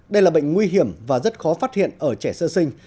đây là bệnh nguy hiểm và rất khó phát hiện ở trẻ sơ sinh